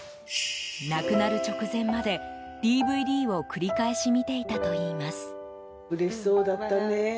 亡くなる直前まで、ＤＶＤを繰り返し見ていたといいます。